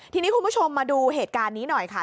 ทีนี้คุณผู้ชมมาดูเหตุการณ์นี้หน่อยค่ะ